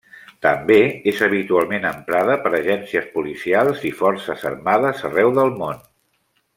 També és habitualment emprada per agències policials i forces armades arreu del món.